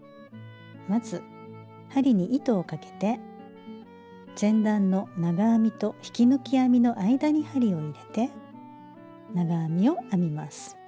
まず針に糸をかけて前段の長編みと引き抜き編みの間に針を入れて長編みを編みます。